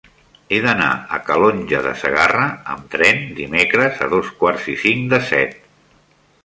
He d'anar a Calonge de Segarra amb tren dimecres a dos quarts i cinc de set.